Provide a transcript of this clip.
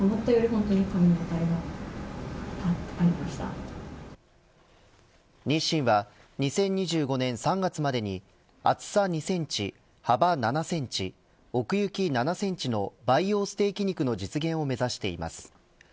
日清は２０２５年３月までに厚さ２センチ幅７センチ奥行７センチの培養ステーキ肉の実現を目指しています。